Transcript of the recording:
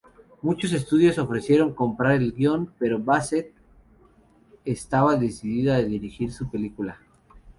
Muchos estudios ofrecieron comprar el guion, pero Bassett estaba decidido a dirigir su película.